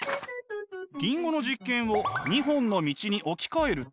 リンゴの実験を２本の道に置き換えると。